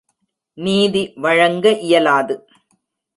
நீதி வழங்க இயலாது.